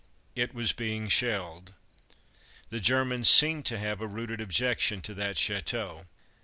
It was being shelled. The Germans seemed to have a rooted objection to that chateau.